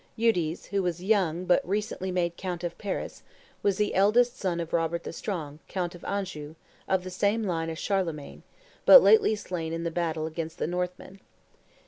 Eudes, who was young and but recently made count of Paris, was the eldest son of Robert the Strong, count of Anjou, of the same line as Charlemagne, and but lately slain in battle against the Northmen.